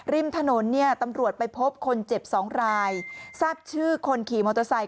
ริมถนนเนี่ยตำรวจไปพบคนเจ็บสองรายทราบชื่อคนขี่มอเตอร์ไซค